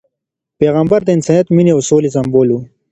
پیغمبر د انسانیت، مینې او سولې سمبول و.